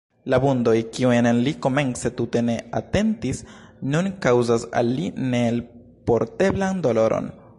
La vundoj, kiujn li komence tute ne atentis, nun kaŭzas al li neelporteblan doloron.